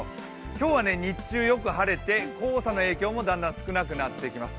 今日は日中よく晴れて、黄砂の影響も少なくなってきます。